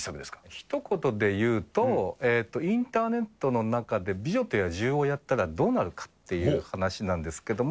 ひと言で言うと、インターネットの中で美女と野獣をやったらどうなるかっていう話なんですけども。